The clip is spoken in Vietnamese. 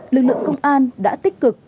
lực lượng công an đã tích cực